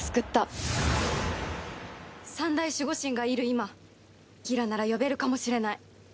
三大守護神がいる今ギラなら呼べるかもしれない。